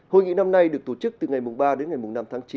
hội nghị năm nay được tổ chức từ ngày ba đến ngày năm tháng chín